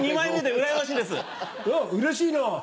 うわうれしいな。